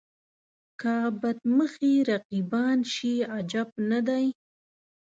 که بد مخي رقیبان شي عجب نه دی.